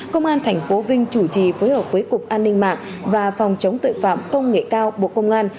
công an tp vinh chủ trì phối hợp với cục an ninh mạng và phòng chống tội phạm công nghệ cao bộ công an